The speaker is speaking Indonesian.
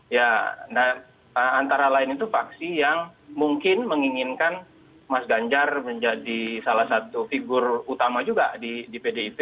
ya nah antara lain itu faksi yang mungkin menginginkan mas ganjar menjadi salah satu figur utama juga di pdip